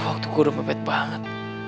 waktuku udah pepet banget